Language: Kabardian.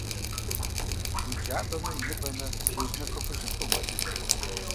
И джабэмрэ и ныбэмрэ дыжьыныфэ-хужьыфэу мэлыд.